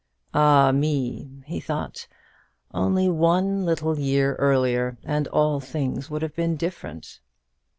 "Ah, me!" he thought, "only one little year earlier, and all things would have been different!"